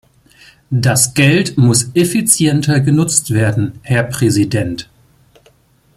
Das Geld muss effizienter genutzt werden, Herr Präsident.